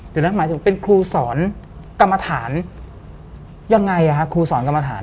เดี๋ยวนะหมายถึงเป็นครูสอนกรรมฐานยังไงครูสอนกรรมฐาน